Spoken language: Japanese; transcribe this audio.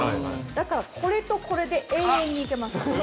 だから、これとこれで、永遠にいけます。